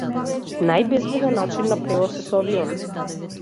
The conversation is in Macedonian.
Најбезбеден начин на превоз е со авион.